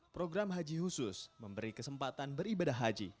program haji khusus memberi kesempatan beribadah haji